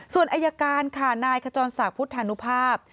ส่วนอายการค่ะนายขจรศักดิ์พุทธานุภาพ